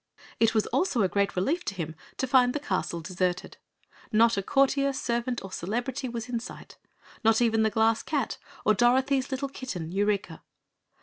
It was also a great relief to him to find the castle deserted. Not a courtier, servant or celebrity was in sight not even the Glass Cat or Dorothy's little kitten Eureka.